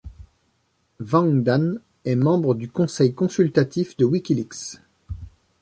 Wang Dan est membre du Conseil consultatif de WikiLeaks.